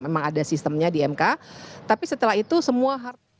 memang ada sistemnya di mk tapi setelah itu semua harus